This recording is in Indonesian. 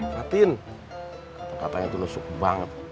batin katanya itu nusuk banget